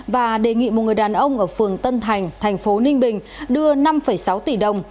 và đề nghị một người đàn ông ở phường tân thành thành phố ninh bình đưa năm sáu tỷ đồng